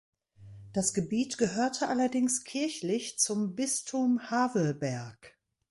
Das Gebiet gehörte allerdings kirchlich zum Bistum Havelberg.